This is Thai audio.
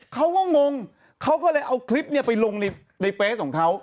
เขาก็งงเขาก็เลยเอาคลิปไปลงในเฟสของเขา